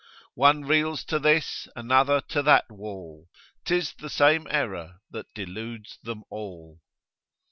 One reels to this, another to that wall, 'Tis the same error that deludes them all.